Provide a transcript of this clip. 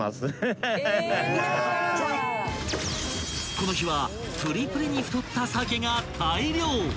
［この日はプリプリに太った鮭が］